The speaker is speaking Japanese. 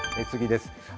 次です。